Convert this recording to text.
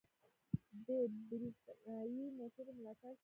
د بریښنايي موټرو ملاتړ کوي.